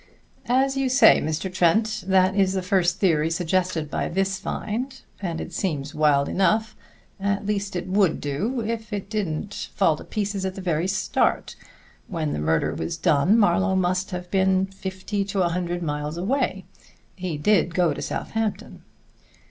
"As you say, Mr. Trent, that is the first theory suggested by this find, and it seems wild enough at least it would do, if it didn't fall to pieces at the very start. When the murder was done Marlowe must have been fifty to a hundred miles away. He did go to Southampton."